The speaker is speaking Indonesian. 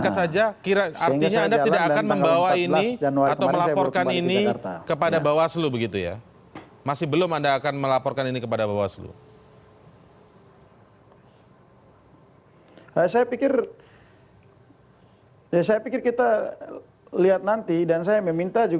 kan kita belum tahu